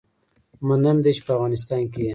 منم دی چې په افغانستان کي يي